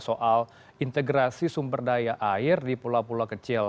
soal integrasi sumber daya air di pulau pulau kecil